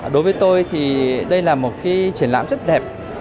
đối với tôi thì đây là một cái triển lãm rất đẹp